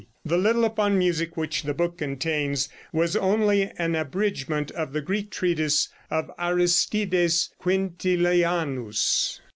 The little upon music which the book contains was only an abridgment of the Greek treatise of Aristides Quintilianus.